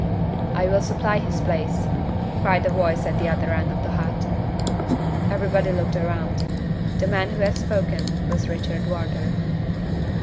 "I will supply his place," cried a voice at the other end of the hut. Everybody looked round. The man who had spoken was Richard Wardour.